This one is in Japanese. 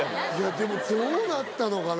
でもどうなったのかな